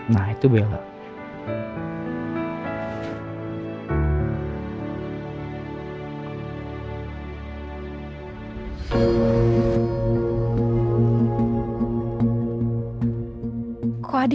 nah itu bella